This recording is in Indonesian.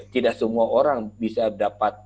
tidak semua orang bisa dapat